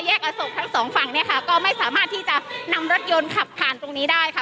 อโศกทั้งสองฝั่งเนี่ยค่ะก็ไม่สามารถที่จะนำรถยนต์ขับผ่านตรงนี้ได้ค่ะ